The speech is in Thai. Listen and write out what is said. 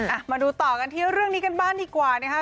อ่ะมาดูต่อกันที่เรื่องนี้กันบ้างดีกว่านะคะ